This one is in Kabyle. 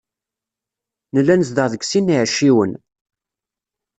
Nella nezdeɣ deg sin n iɛecciwen.